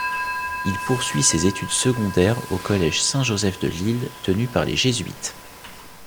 Il poursuit ses études secondaires au collège Saint-Joseph de Lille tenu par les jésuites.